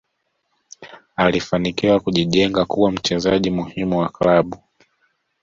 alifanikiwa kujijenga kuwa mchezaji muhimu wa klabu